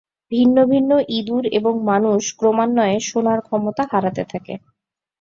ভিন্ন ভিন্ন ইঁদুর এবং মানুষ ক্রমান্বয়ে শোনার ক্ষমতা হারাতে থাকে।